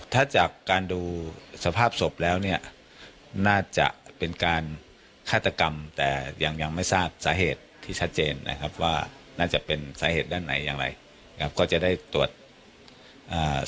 ถ้าจากการดูสภาพศพแล้วเนี่ยน่าจะเป็นการฆาตกรรมแต่ยังยังไม่ทราบสาเหตุที่ชัดเจนนะครับว่าน่าจะเป็นสาเหตุด้านไหนอย่างไรนะครับก็จะได้ตรวจอ่า